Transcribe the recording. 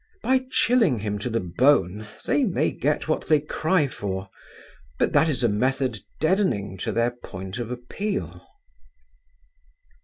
By chilling him to the bone they may get what they cry for. But that is a method deadening to their point of appeal.